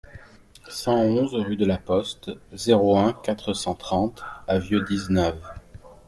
cent onze rue de la Poste, zéro un, quatre cent trente à Vieu-d'Izenave